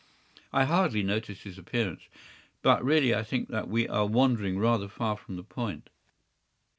I hardly noticed his appearance. But really I think that we are wandering rather far from the point.